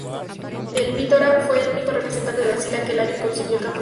El Vitória fue el único representante de Brasil aquel año y consiguió el campeonato.